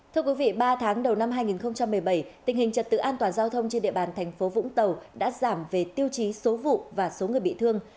thưa quý vị ba tháng đầu năm hai nghìn một mươi bảy tình hình trật tự an toàn giao thông trên địa bàn thành phố vũng tàu đã giảm về tiêu chí số vụ và số người bị thương